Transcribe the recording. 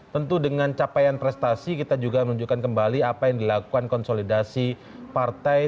tentu dengan capaian prestasi kita juga menunjukkan kembali apa yang dilakukan konsolidasi partai